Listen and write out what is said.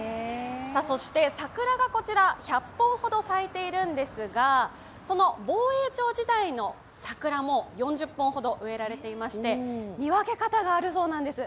そして桜がこちら、１００本ほど咲いているんですがその防衛庁時代の桜も４０本ほど植えられていまして、見分け方があるそうなんです。